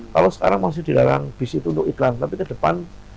kalau sekarang masih dilarang bis itu untuk iklan tapi ke depan